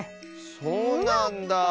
そうなんだあ。